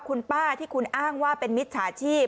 คุณป้าที่คุณอ้างว่าเป็นมิจฉาชีพ